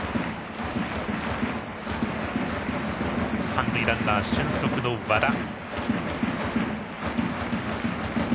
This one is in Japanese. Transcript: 三塁ランナーは俊足の和田。